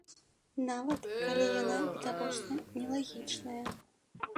Нават калі яна відавочна нелагічная.